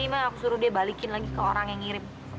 emang aku suruh dia balikin lagi ke orang yang ngirim